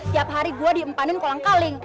tiap hari gue diempanin kolang kaling